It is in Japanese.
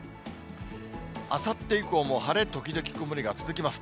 あさって以降も、晴れ時々曇りが続きます。